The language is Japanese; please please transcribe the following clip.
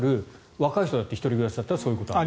若い人だって１人暮らしだったらそういうことがある。